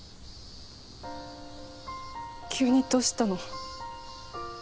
急にどうしたの？